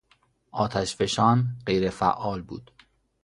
آتشفشان غیرفعال بود.